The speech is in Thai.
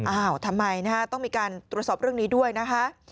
อ้าวทำไมนะฮะต้องมีการตรวจสอบเรื่องนี้ด้วยนะคะ